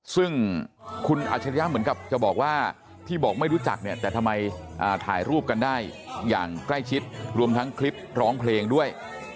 ซึ่งคุณอัจฉริยะเหมือนกับจะบอกว่าที่บอกไม่รู้จักเนี่ยแต่ทำไมถ่ายรูปกันได้อย่างใกล้ชิดรวมทั้งคลิปร้องเพลงด้วย